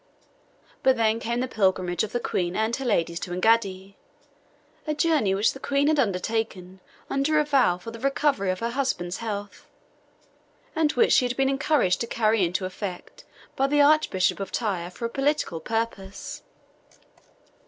But then came the pilgrimage of the Queen and her ladies to Engaddi, a journey which the Queen had undertaken under a vow for the recovery of her husband's health, and which she had been encouraged to carry into effect by the Archbishop of Tyre for a political purpose.